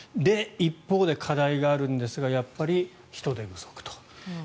一方で課題があるんですがやっぱり人手不足と。